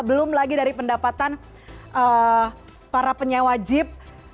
belum lagi dari pendapatan para penyewa jeep